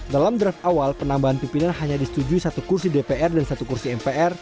dalam draft awal penambahan pimpinan hanya disetujui satu kursi dpr dan satu kursi mpr